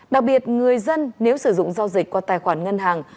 đặc biệt người dân nếu sử dụng giao dịch qua tài khoản ngân hàng